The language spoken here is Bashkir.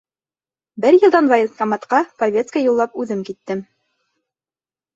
Бер йылдан военкоматҡа повестка юллап үҙем киттем.